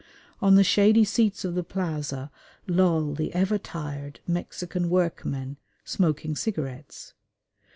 On the shady seats of the plaza loll the ever tired Mexican workmen, smoking cigarettes.